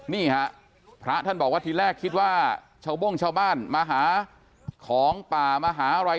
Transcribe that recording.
นี่ฮะพระท่านบอกว่าทีแรกคิดว่าชาวโบ้งชาวบ้านมาหาของป่ามาหาอะไร